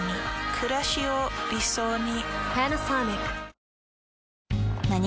くらしを理想に。